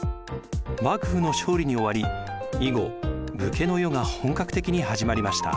幕府の勝利に終わり以後武家の世が本格的に始まりました。